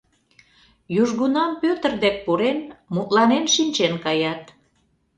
Южгунам Пӧтыр дек пурен, мутланен шинчен каят.